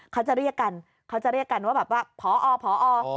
เขาจะเรียกกันเขาจะเรียกกันว่าแบบว่าพอพอ